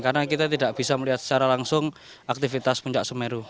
karena kita tidak bisa melihat secara langsung aktivitas puncak semeru